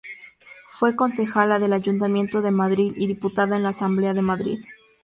Fue concejala del Ayuntamiento de Madrid y diputada en la Asamblea de Madrid.